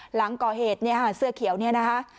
หลังก่อเหตุเสื้อเขียวนี่นะคะ